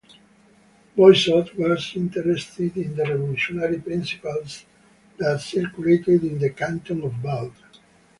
Boisot was interested in the revolutionary principles that circulated in the Canton of Vaud.